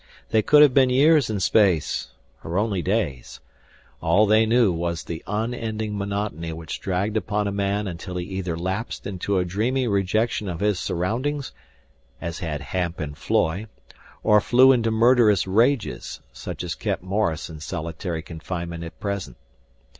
They could have been years in space or only days. All they knew was the unending monotony which dragged upon a man until he either lapsed into a dreamy rejection of his surroundings, as had Hamp and Floy, or flew into murderous rages, such as kept Morris in solitary confinement at present.